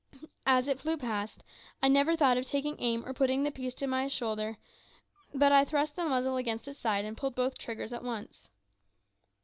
As it flew past, I never thought of taking aim or putting the piece to my shoulder, but I thrust the muzzle against its side and pulled both triggers at once.